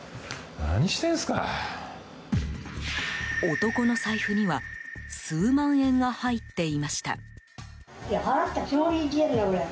男の財布には数万円が入っていました。